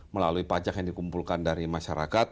melalui pajak yang dikumpulkan dari masyarakat